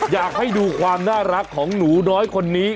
อยากให้ดูความน่ารักของหนูน้อยคนนี้